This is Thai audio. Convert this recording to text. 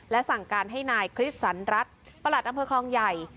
และสั่งการให้นายคริสสันรัฐประหลัดอำเภอคลองใหญ่